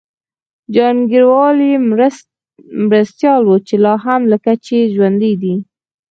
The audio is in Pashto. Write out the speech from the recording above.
جهانګیروال یې مرستیال و چي لا هم لکه چي ژوندی دی